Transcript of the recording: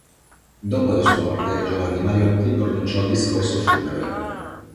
Dopo la sua morte Giovanni Mariotti pronunciò il discorso funebre.